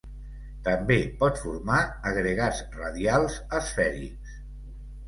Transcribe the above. També pot formar agregats radials esfèrics.